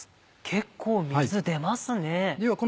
結構水出ますね。